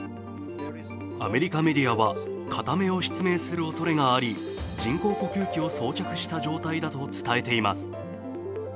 アメリカメディアは、片目を失明するおそれがあり、人工呼吸器を装着した状態だと伝えています。